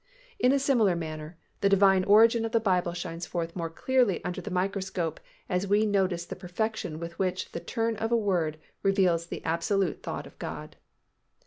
In a similar manner, the Divine origin of the Bible shines forth more clearly under the microscope as we notice the perfection with which the turn of a word reveals the absolute thought of God.